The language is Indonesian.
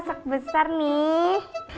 tante puput yang beli